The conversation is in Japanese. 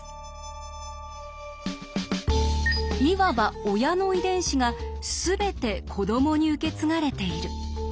いわば親の遺伝子が全て子どもに受け継がれている。